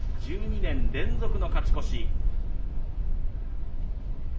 １２年連続の勝ち越し。